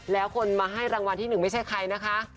แล้วคนมาให้รางวัลที่๑ไม่ใช่ใครนะคะ